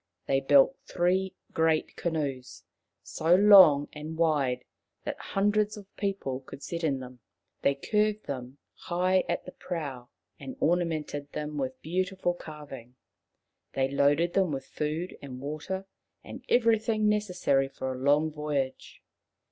They built three great canoes, so long and wide that hundreds of people could sit in them. They curved them high at the prow, and ornamented them with beautiful carving. They loaded them with food and water and everything necessary for a long voyage.